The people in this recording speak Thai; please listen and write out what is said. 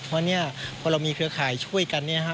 เพราะพอเรามีเครือข่ายช่วยกัน